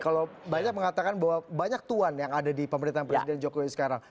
kalau banyak mengatakan bahwa banyak tuhan yang ada di pemerintahan presiden jokowi sekarang